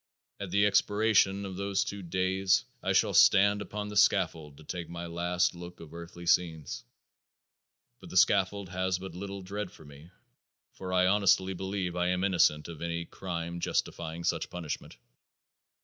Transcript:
At the expiration of those two days I shall stand upon the scaffold to take my last look of earthly scenes. But that scaffold has but little dread for me, for I honestly believe I am innocent of any crime justifying such punishment.